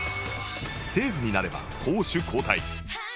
セーフになれば攻守交代